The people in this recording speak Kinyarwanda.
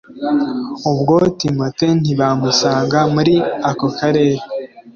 ubwo timote ntibamusanga muri ako karere